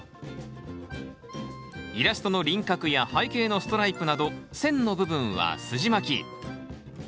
イラストの輪郭や背景のストライプなど線の部分はすじまき。